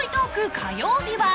火曜日は。